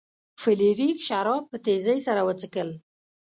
فلیریک شراب په تیزۍ سره وڅښل.